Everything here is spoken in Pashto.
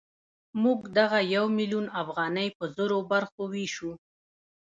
موږ دغه یو میلیون افغانۍ په زرو برخو وېشو